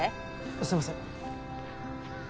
すいません。